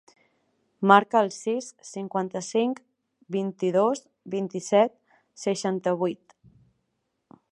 Marca el sis, cinquanta-cinc, vint-i-dos, vint-i-set, seixanta-vuit.